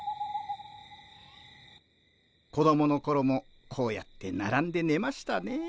子供の頃もこうやってならんでねましたね。